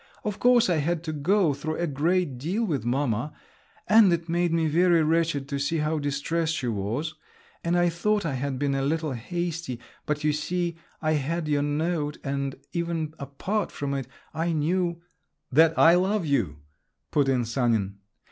Of course I had to go through a great deal with mamma, and it made me very wretched to see how distressed she was, and I thought I had been a little hasty; but you see I had your note, and even apart from it I knew …" "That I love you," put in Sanin.